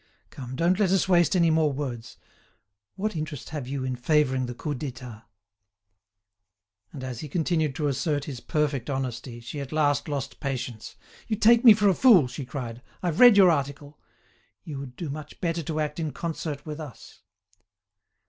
Come, don't let us waste any more words, what interest have you in favouring the Coup d'État?" And, as he continued to assert his perfect honesty, she at last lost patience. "You take me for a fool!" she cried. "I've read your article. You would do much better to act in concert with us."